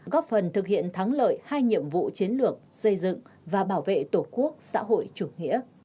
góp phần thực hiện thắng lợi hai nhiệm vụ chiến lược xây dựng và bảo vệ tổ quốc xã hội chủ nghĩa